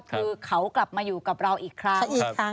คือเขากลับมาอยู่กับเราอีกครั้ง